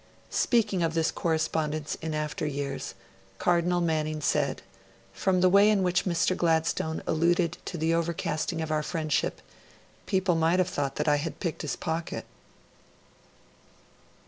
Speaking of this correspondence in after years, Cardinal Manning said: 'From the way in which Mr. Gladstone alluded to the overcasting of our friendship, people might have thought that I had picked his pocket.'